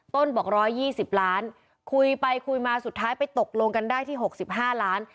ต้นบอกร้อยยี่สิบล้านคุยไปคุยมาสุดท้ายไปตกลงกันได้ที่หกสิบห้าล้าน